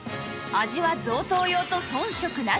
味は贈答用と遜色なし！